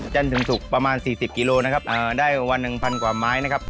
จั้นถึงสุกประมาณ๔๐กิโลนะครับได้วัน๑๐๐๐กว่าไม้นะครับ